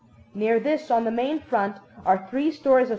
Near this, on the main front, are three stories of S.